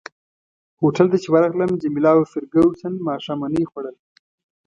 هوټل ته چي ورغلم جميله او فرګوسن ماښامنۍ خوړل.